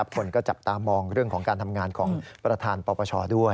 คนก็จับตามองเรื่องของการทำงานของประธานปปชด้วย